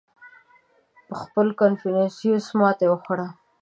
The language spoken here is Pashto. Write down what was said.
• پهخپله کنفوسیوس ماتې وخوړه.